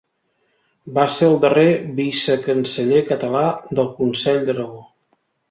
Va ser el darrer vicecanceller català del Consell d'Aragó.